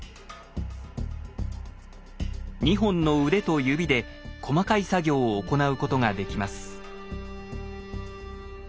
２本の腕と指で細かい作業を行うことができます。